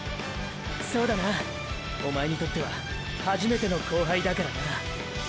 そうだなおまえにとっては初めての後輩だからな。